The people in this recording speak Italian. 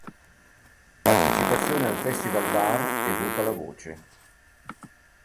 Partecipazione al Festivalbar e "Vota la voce".